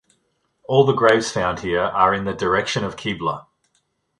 All the graves found here are in the direction of Qibla.